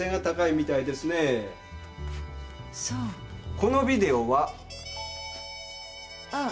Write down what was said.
このビデオは？ああ。